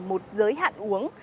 một giới hạn uống